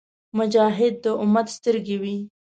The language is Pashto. مجاهد د امت سترګې وي.